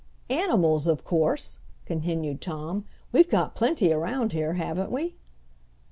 "Animals of course," continued Tom; "we've got plenty around here, haven't we?"